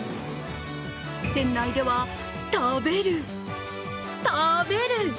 店内では食べる、食べる！